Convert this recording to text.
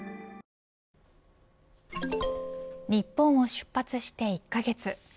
日本を出発して１カ月。